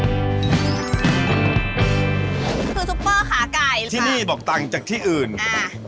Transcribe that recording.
คือซุปเปอร์ขาไก่เลยที่นี่บอกต่างจากที่อื่น